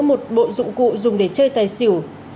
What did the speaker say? một bộ dụng cụ dùng để chơi tài xỉu